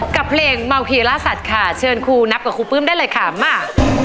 กับเพลงเมาพีล่าสัตว์ค่ะเชิญครูนับกับครูปื้มได้เลยค่ะมา